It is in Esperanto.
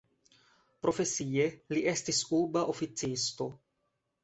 Profesie li estis urba oficisto.